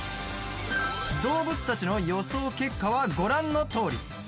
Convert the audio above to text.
動物たちの予想結果はご覧のとおり。